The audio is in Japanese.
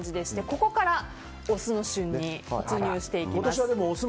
ここから、オスの旬に参入していきます。